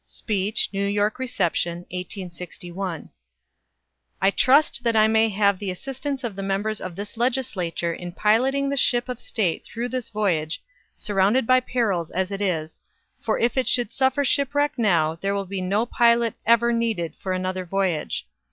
(Speech, New York reception, 1861.) "I trust that I may have the assistance of the members of this legislature in piloting the ship of state through this voyage, surrounded by perils as it is; for, if it should suffer shipwreck now, there will be no pilot ever needed for another voyage."